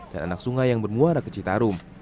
dan anak sungai yang bermuara ke citarum